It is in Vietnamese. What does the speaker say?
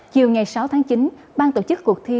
chiều ngày sáu tháng chín ban tổ chức cuộc thi